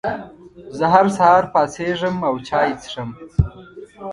زه هر سهار پاڅېږم او چای څښم.